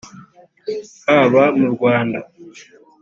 haba mu Rwanda